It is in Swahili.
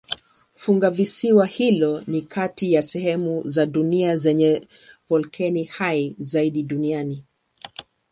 Funguvisiwa hilo ni kati ya sehemu za dunia zenye volkeno hai zaidi duniani.